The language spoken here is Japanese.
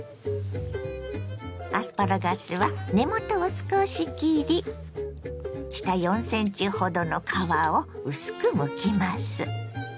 アスパラガスは根元を少し切り下４ｃｍほどの皮を薄くむきます。